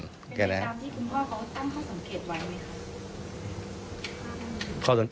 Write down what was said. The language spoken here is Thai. เป็นไปตามที่คุณพ่อเขาตั้งข้อสังเกตไว้ไหมคะ